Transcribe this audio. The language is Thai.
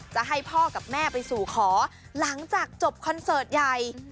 จะให้พ่อกับแม่ไปสู่ขอหลังจากจบคอนเสิร์ตใหญ่